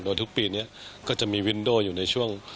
โดยทุกปีนี้ก็จะมีวินโดอยู่ในช่วง